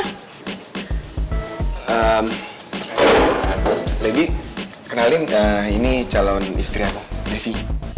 ehm lady kenalin ini calon istri aku devi